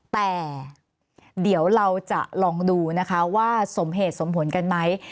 แต่เดี๋ยวเราจะลองดูนะคะว่าสมเหตุสมผลกันไหม